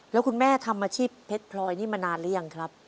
แล้วคุณแม่ทำอาชีพเพชรพลอยนี่มานานหรือยังครับ